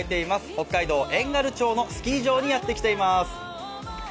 北海道遠軽町のスキー場にやってきています。